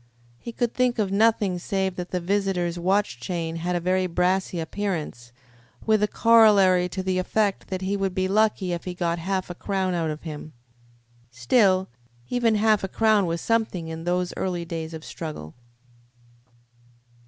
He could think of nothing save that the visitor's watch chain had a very brassy appearance, with a corollary to the effect that he would be lucky if he got half a crown out of him. Still, even half a crown was something in those early days of struggle.